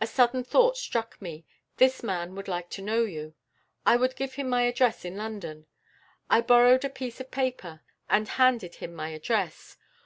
A sudden thought struck me: this man would like to know you. I would give him my address in London. I borrowed a piece of paper and handed him my address.